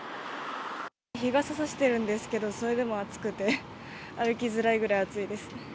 日傘差してるんですけど、それでも暑くて、歩きづらいぐらい暑いです。